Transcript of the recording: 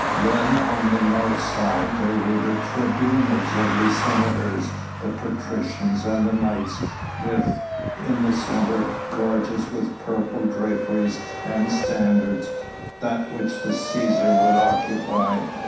Then, on the north side there were the tribunals of the senators, the patricians, and the knights, with in the centre gorgeous with purple draperies and standards that which the Cæsar would occupy.